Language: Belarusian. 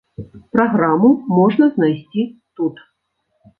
Праграму можна знайсці тут.